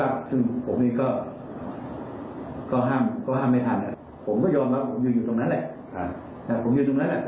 ผมก็ยอมแล้วผมอยู่อยู่ตรงนั้นแหละผมอยู่ตรงนั้นแหละ